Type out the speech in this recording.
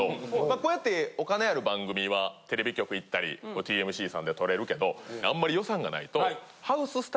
こうやってお金ある番組はテレビ局行ったりＴＭＣさんで録れるけどあんまり。